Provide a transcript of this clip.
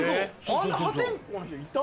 あんな破天荒な人いた？